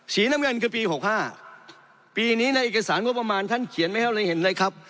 สีน้ำเงินคือปี๖๕ปีนี้ในเอกสารงบประมาณท่านเขียนไว้ให้เราเห็นเลยครับ